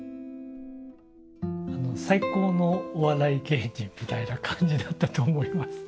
最高のお笑い芸人みたいな感じだったと思います。